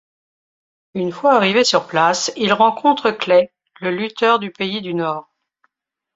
Une fois arrivé sur place, il rencontre Klay, le lutteur du pays du nord.